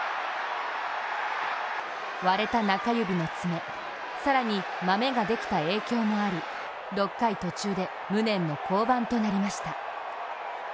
割れた中指の爪更にまめができた影響もあり６回途中で無念の降板となりました。